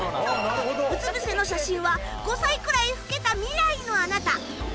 うつ伏せの写真は５歳くらい老けた未来のあなた。